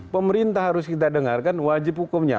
pemerintah harus kita dengarkan wajib hukumnya